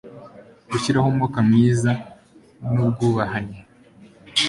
gushyiraho umwuka mwiza n'ubwubahane